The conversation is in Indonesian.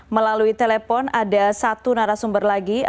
melalui telepon ada satu narasumber lagi